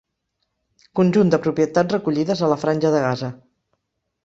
Conjunt de propietats recollides a la Franja de Gaza.